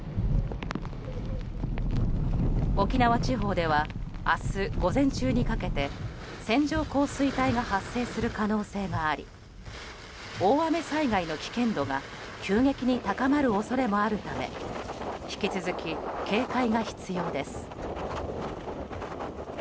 沖縄地方では明日午前中にかけて線状降水帯が発生する可能性があり大雨災害の危険度が急激に高まる恐れがあるため引き続き、警戒が必要です。